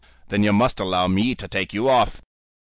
"Then you must allow me to take you off."